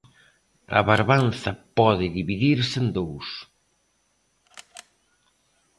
A Barbanza pode dividirse en dous.